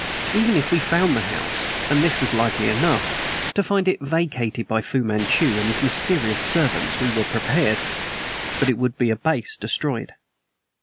Even if we found the house, and this was likely enough, to find it vacated by Fu Manchu and his mysterious servants we were prepared. But it would be a base destroyed.